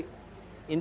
pada masa lalu